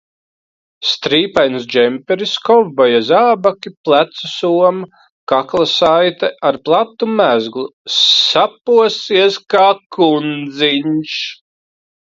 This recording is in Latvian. Strīpains džemperis, kovboja zābaki, plecu soma, kaklasaite ar platu mezglu - saposies kā kundziņš.